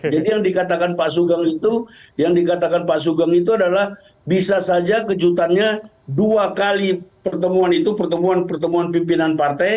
jadi yang dikatakan pak sugeng itu adalah bisa saja kejutannya dua kali pertemuan itu pertemuan pertemuan pimpinan partai